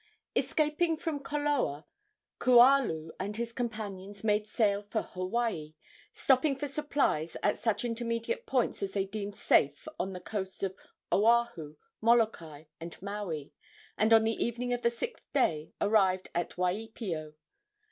Escaping from Koloa, Kualu and his companions made sail for Hawaii, stopping for supplies at such intermediate points as they deemed safe on the coasts of Oahu, Molokai and Maui, and on the evening of the sixth day arrived at Waipio.